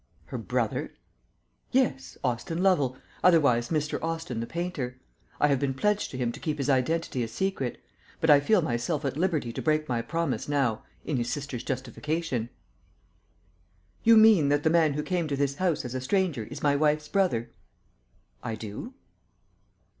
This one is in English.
"Her brother?" "Yes, Austin Lovel; otherwise Mr. Austin the painter. I have been pledged to him to keep his identity a secret; but I feel myself at liberty to break my promise now in his sister's justification." "You mean, that the man who came to this house as a stranger is my wife's brother?" "I do."